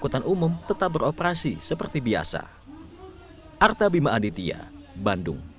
angkutan umum tetap beroperasi seperti biasa